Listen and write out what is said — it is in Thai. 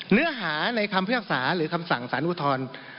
เนื้อหาในคำพิพากษาหรือคำสั่งสารอุทธรณ์